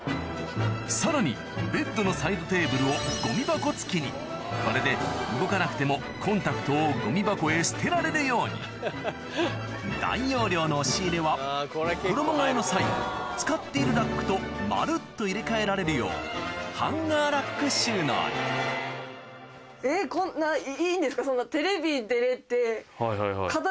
さらにベッドのサイドテーブルをゴミ箱付きにこれで動かなくてもコンタクトをゴミ箱へ捨てられるように大容量の押し入れは衣替えの際使っているラックとまるっと入れ替えられるようハンガーラック収納にえっこんないいんですか？